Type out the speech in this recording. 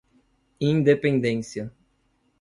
Independência